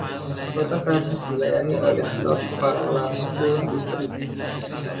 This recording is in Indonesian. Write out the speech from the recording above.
Kota Sardis dilayani oleh North Panola School District.